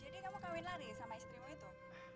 jadi kamu kawin lari sama istrimu itu